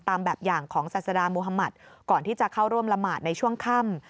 ตามแบบอย่างของศาสดามุธมัติก่อนที่จะเข้าร่วมละหมาดในช่วงค่ำ